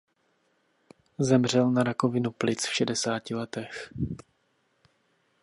Zemřel na rakovinu plic v šedesáti letech.